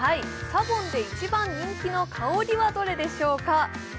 ＳＡＢＯＮで一番人気の香りはどれでしょうか？